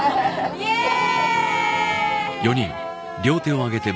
イエーイ！